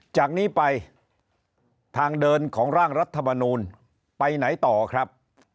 จากนี้ไปทางเดินของร่างรัฐมนูลไปไหนต่อครับ